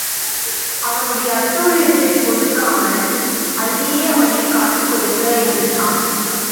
அவனுடைய அட்டூழியத்தைப் பொறுக்காமல் அல்லியே அவனைக் காட்டிக் கொடுக்க இருந்துச்சாம்.